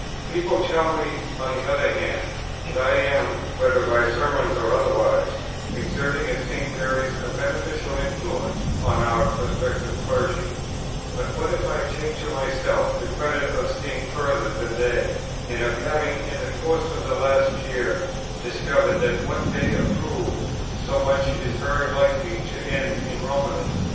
"People tell me, on the other hand, that I am, whether by sermons or otherwise, exerting at St. Mary's a beneficial influence on our prospective clergy; but what if I take to myself the credit of seeing further than they, and of having in the course of the last year discovered that what they approve so much is very likely to end in Romanism?